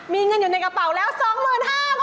มีเงินอยู่ในกระเป๋าแล้ว๒๕๐๐บาท